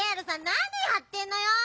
なにやってんのよ！